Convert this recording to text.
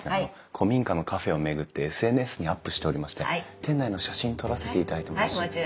古民家のカフェを巡ってＳＮＳにアップしておりまして店内の写真撮らせていただいてもよろしいでしょうか？